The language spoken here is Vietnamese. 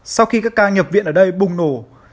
sau khi các ca nhập viện ở đây bùng nổ